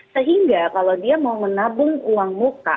sehingga kalau dia mau menabung uang muka